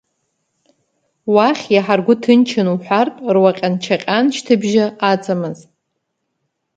Уахь иаҳа ргәы ҭын-чын уҳәартә, руаҟьанчаҟьан шьҭыбжьы аҵамызт.